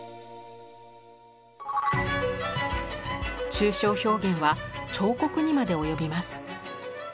抽象表現は彫刻にまで及びます。